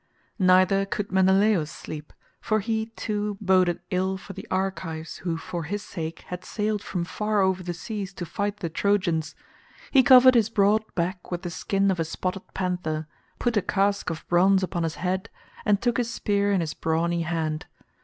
Neither could Menelaus sleep, for he, too, boded ill for the Argives who for his sake had sailed from far over the seas to fight the Trojans. He covered his broad back with the skin of a spotted panther, put a casque of bronze upon his head, and took his spear in his brawny hand.